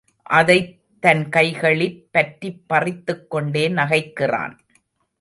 அதைத் தன் கைகளிற் பற்றிப் பறித்துக் கொண்டே நகைக்கிறான்.